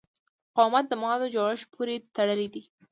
مقاومت د موادو جوړښت پورې تړلی دی.